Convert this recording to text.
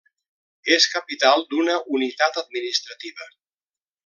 És capital d'una unitat administrativa.